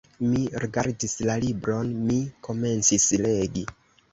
Mi rigardis la libron, mi komencis legi.